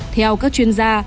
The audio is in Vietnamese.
theo các chuyên gia